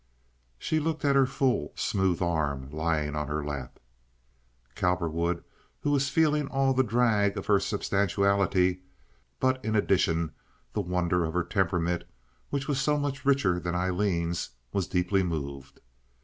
She looked at her full, smooth arm lying on her lap. Cowperwood, who was feeling all the drag of her substantiality, but in addition the wonder of her temperament, which was so much richer than Aileen's, was deeply moved.